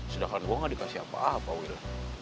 sedangkan gue enggak dikasih apa apa wil